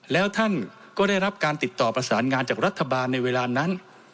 แล้วท่านก็ได้รับการติดต่อประสานงานจากรัฐบาลในเวลานั้น